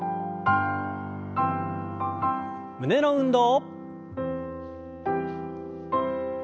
胸の運動。